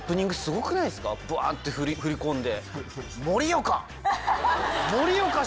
バって振り込んで。